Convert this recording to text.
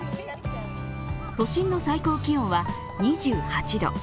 都心の最高気温は２８度。